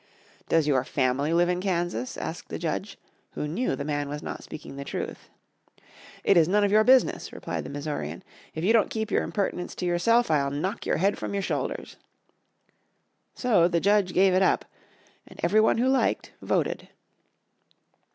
"Does your family live in Kansas?" asked the judge, who knew the man was not speaking the truth. "It is none of your business," replied the Missourian. "If you don't keep your impertinence to yourself, I'll knock your head from your shoulders." So the judge gave it up, and every one who liked voted.